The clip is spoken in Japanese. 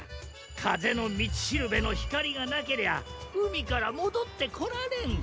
かぜのみちしるべのひかりがなけりゃうみからもどってこられん。